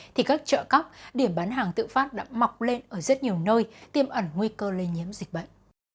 thì các chợ cóc điểm bán hàng tự phát đã mọc lên ở rất nhiều nơi tiêm ẩn nguy cơ lây nhiễm dịch bệnh